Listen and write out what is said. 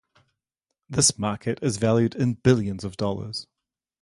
This market is valued in billions of dollars.